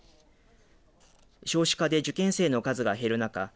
少子化で受験生の数が減る中